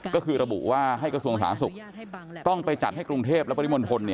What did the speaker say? ก็คือระบุว่าให้กระทรวงสาธารณสุขต้องไปจัดให้กรุงเทพและปริมณฑล